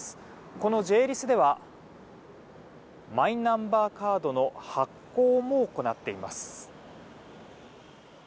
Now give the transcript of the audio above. このＪ‐ＬＩＳではマイナンバーカードの発行も行っています。